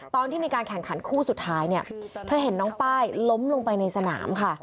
ตอนที่มีการแข่งขันคู่สุดท้ายเนี่ยเธอเห็นน้องป้ายล้มลงไปในสนามค่ะ